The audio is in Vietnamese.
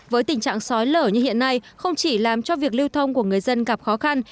với tình trạng sói lở như hiện nay không chỉ làm cho việc lưu thông của người dân gặp khó khăn